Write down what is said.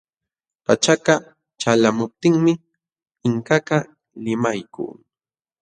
Pachaka ćhalqamuptinmi Inkakaq limaykun.